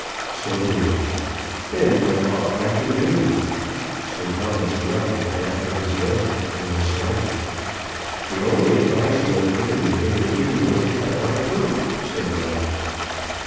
"Certainly." "Then what ought I to do?" Sir Thomas rubbed the calf of his leg and was silent. "The only advice you have given me hitherto was to cut my throat," said Ralph.